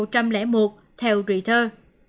tầm ba mươi bảy một trăm linh một theo reuters